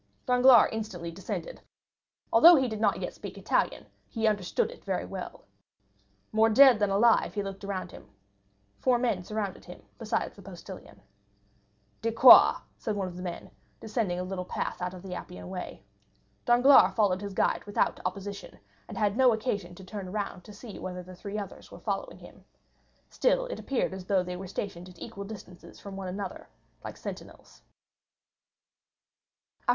Danglars instantly descended; although he did not yet speak Italian, he understood it very well. More dead than alive, he looked around him. Four men surrounded him, besides the postilion. "Di quà," said one of the men, descending a little path leading out of the Appian Way. Danglars followed his guide without opposition, and had no occasion to turn around to see whether the three others were following him. Still it appeared as though they were stationed at equal distances from one another, like sentinels.